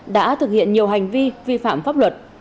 đã thực hiện nhiều hành vi vi phạm pháp luật